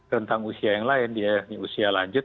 rentang usia yang lain dia usia lanjut